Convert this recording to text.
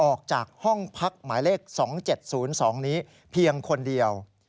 ออกจากห้องพักหมายเลข๒๗๐๒นี้เพียงคนเดียว